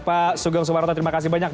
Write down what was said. pak sugeng suparta terima kasih banyak